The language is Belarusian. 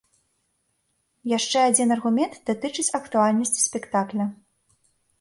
Яшчэ адзін аргумент датычыць актуальнасці спектакля.